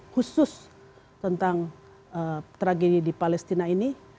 khusus tentang tragedi di palestina ini